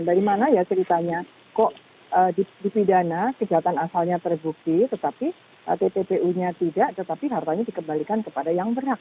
dari mana ya ceritanya kok dipidana kejahatan asalnya terbukti tetapi tppu nya tidak tetapi hartanya dikembalikan kepada yang berhak